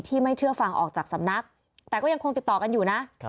ไม่เชื่อฟังออกจากสำนักแต่ก็ยังคงติดต่อกันอยู่นะ